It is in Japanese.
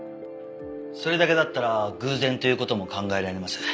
それだけだったら偶然という事も考えられます。